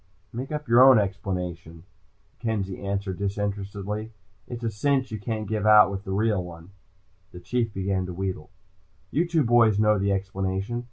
"Make up your own explanation," Kenzie answered disinterestedly. "It's a cinch you can't give out with the real one." The Chief began to wheedle. "You two boys know the explanation.